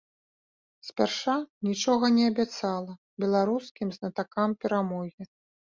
Спярша нічога не абяцала беларускім знатакам перамогі.